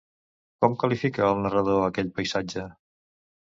Com qualifica el narrador aquell paisatge?